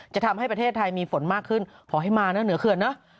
จะทำให้ประเทศไทยมีฝนมากขึ้นขอให้มานะเหนือเขื่อนนะ